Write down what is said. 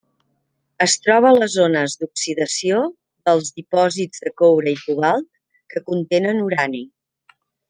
Es troba a les zones d'oxidació dels dipòsits de coure i cobalt que contenen urani.